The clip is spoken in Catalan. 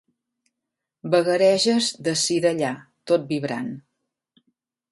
Vagareges d'ací d'allà, tot vibrant.